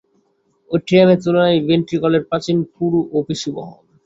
অ্যাট্রিয়ামের তুলনায় ভেন্ট্রিকলের প্রাচীর পুরু ও পেশিবহুল।